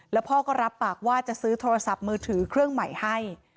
แล้วพ่อก็รับปากว่าจะซื้อโทรศัพท์มือถือเครื่องใหม่ให้